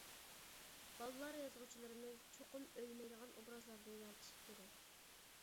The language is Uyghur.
بالىلار يازغۇچىلىرىمىز چوقۇم ئۆلمەيدىغان ئوبرازلارنى يارىتىشى كېرەك.